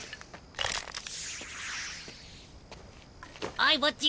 おいボッジ。